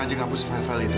ini kan handphone aku